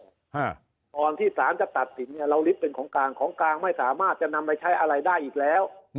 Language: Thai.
อ่าก่อนที่สารจะตัดสินเนี้ยเราลิฟต์เป็นของกลางของกลางไม่สามารถจะนำไปใช้อะไรได้อีกแล้ว